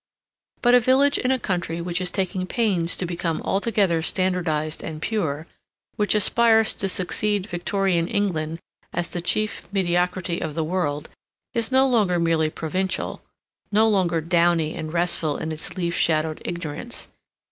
But a village in a country which is taking pains to become altogether standardized and pure, which aspires to succeed Victorian England as the chief mediocrity of the world, is no longer merely provincial, no longer downy and restful in its leaf shadowed ignorance.